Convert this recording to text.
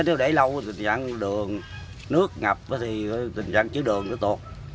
nếu để lâu thì tình trạng đường nước ngập thì tình trạng chứa đường nó tột